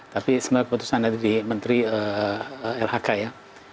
tapi sebenarnya keputusan itu di menteri lhk ya